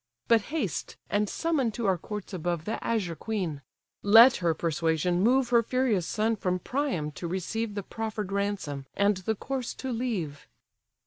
But haste, and summon to our courts above The azure queen; let her persuasion move Her furious son from Priam to receive The proffer'd ransom, and the corse to leave."